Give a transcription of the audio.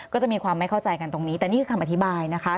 ก็จะมีความไม่เข้าใจกันตรงนี้แต่นี่คือคำอธิบายนะคะ